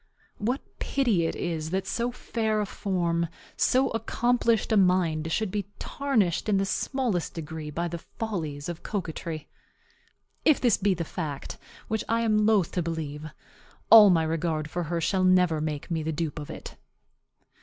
What pity it is that so fair a form, so accomplished a mind, should be tarnished in the smallest degree by the follies of coquetry! If this be the fact, which I am loath to believe, all my regard for her shall never make me the dupe of it.